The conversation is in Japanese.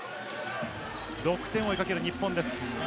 ６点を追いかける日本です。